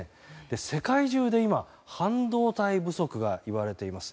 世界中で今、半導体不足と言われています。